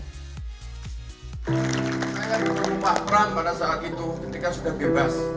saya yang berubah perang pada saat itu ketika sudah bebas